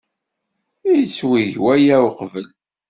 Yettweg waya uqbel?